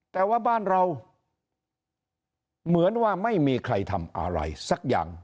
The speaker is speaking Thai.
แต่ว่าบ้านเราเหมือนว่าไม่มีใครทำอะไรสักอย่าง